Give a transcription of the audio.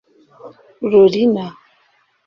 Loryna